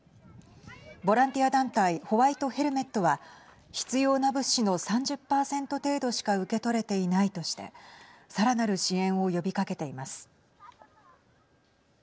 ボランティア団体ホワイト・ヘルメットは必要な物資の３０％程度しか受け取れていないとしてさらなる支援を呼びかけています。